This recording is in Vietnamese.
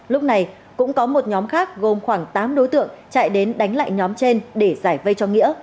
lúc này cũng có một nhóm khác gồm khoảng tám đối tượng chạy đến đánh lại nhóm trên để giải vây cho nghĩa